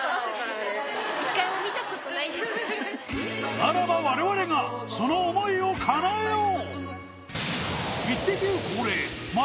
ならば我々がその想いをかなえよう！